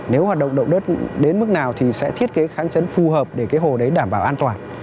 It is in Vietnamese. nếu hoạt động động đất đến mức nào thì sẽ thiết kế kháng chấn phù hợp để cái hồ đấy đảm bảo an toàn